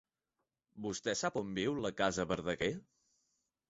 Vostè sap on viu la casa Verdaguer?